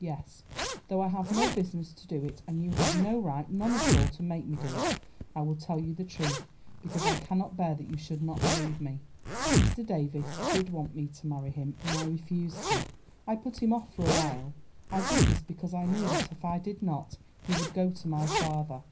Yes, though I have no business to do it, and you have no right—none at all—to make me do it, I will tell you the truth, because I cannot bear that you should not believe me. Mr. Davies did want me to marry him and I refused him. I put him off for a while; I did this because I knew that if I did not he would go to my father.